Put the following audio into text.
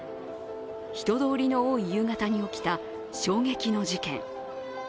人通りの多い夕方に起きた衝撃の事件。